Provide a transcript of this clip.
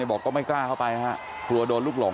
บอกก็ไม่กล้าเข้าไปฮะกลัวโดนลูกหลง